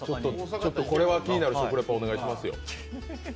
これは気になる食レポをお願いしますよ。